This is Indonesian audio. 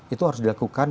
itu harus dilakukan